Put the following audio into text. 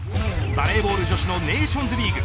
バレーボール女子のネーションズリーグ。